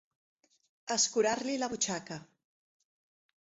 Escurar-li la butxaca.